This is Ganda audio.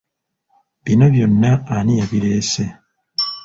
Bino byonna ani yabireese?